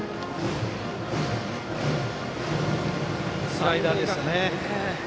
スライダーですね。